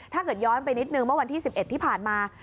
ถ้าเกิดย้อนไปนิดนึงเมื่อวันที่๑๑ที่ผ่านมา